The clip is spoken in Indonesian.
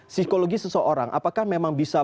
psikologi seseorang apakah memang bisa